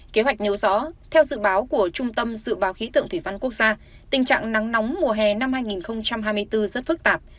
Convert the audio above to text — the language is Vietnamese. kế hoạch nêu rõ theo dự báo của trung tâm dự báo khí tượng thủy văn quốc gia tình trạng nắng nóng mùa hè năm hai nghìn hai mươi bốn rất phức tạp